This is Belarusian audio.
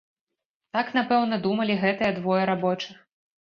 Так, напэўна, думалі гэтыя двое рабочых.